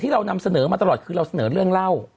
เราเสนอเรื่องเล่า